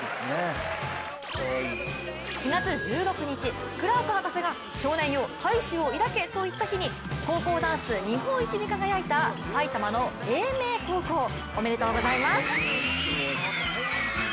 ４月１６日、クラーク博士が「少年よ、大志を抱け」と言った日に高校ダンス日本一に輝いた埼玉の叡明高校。おめでとうございます。